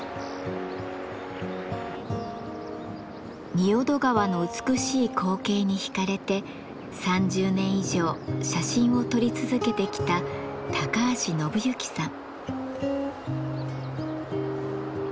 仁淀川の美しい光景に惹かれて３０年以上写真を撮り続けてきた高橋宣之さん。